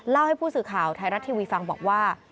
เล่าให้ผู้สื่อข่าวไทยรัฐทีวีฟังบอกว่า